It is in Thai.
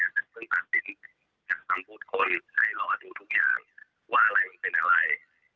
แต่คือตัดสินจากสัมพุทธคนในรอดูทุกอย่างว่าอะไรมันเป็นอะไร